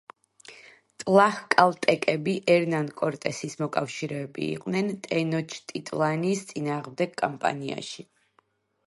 ტლაჰკალტეკები ერნან კორტესის მოკავშირეები იყვნენ ტენოჩტიტლანის წინააღმდეგ კამპანიაში.